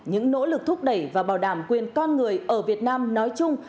vì vậy những nỗ lực thúc đẩy và bảo đảm quyền con người ở việt nam nói chung